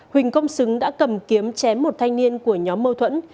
huỳnh công xứng đã cầm kiếm chém một thanh niên của nhóm mâu thuẫn